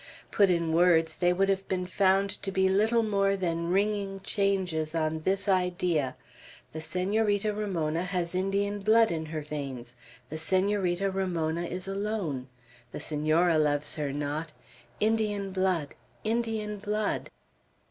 Put in words, they would have been found to be little more than ringing changes on this idea: "The Senorita Ramona has Indian blood in her veins. The Senorita Ramona is alone. The Senora loves her not. Indian blood! Indian blood!"